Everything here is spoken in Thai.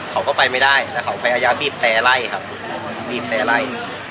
เขาก็ไปไม่ได้แต่เขาพยายามบีบแต่ไล่ครับบีบแต่ไล่